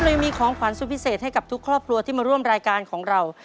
ยังมีของขวัญสุดพิเศษให้กับทุกครอบครัวที่มาร่วมรายการของเรา